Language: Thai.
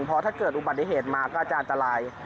เพราะถ้าเกิดอุบัติเหตุมาก็จะอันตราย